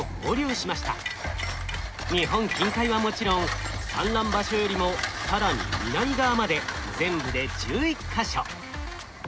日本近海はもちろん産卵場所よりも更に南側まで全部で１１か所。